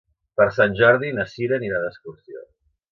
Per Sant Jordi na Cira anirà d'excursió.